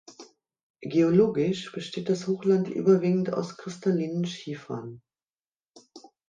Geologisch besteht das Hochland überwiegend aus kristallinen Schiefern.